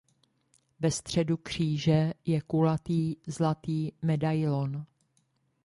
Ve středu kříže je kulatý zlatý medailon.